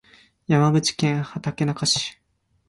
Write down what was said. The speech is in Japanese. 山口県畑中市